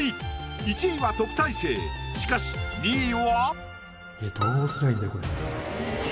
１位は特待生しかし２位は。